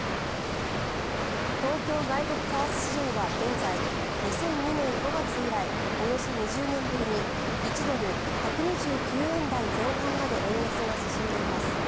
東京外国為替市場は現在、２００２年５月以来およそ２０年ぶりに１ドル＝１２９円台前半まで円安が進んでいます。